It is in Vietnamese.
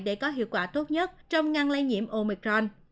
để có hiệu quả tốt nhất trong ngăn lây nhiễm omicron